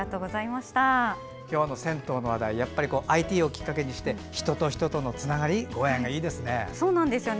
今日の銭湯の話題ＩＴをきっかけにして人と人とのつながりご縁がいいですね。